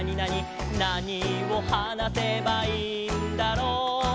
「なにをはなせばいいんだろう？」